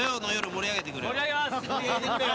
盛り上げてくれよ。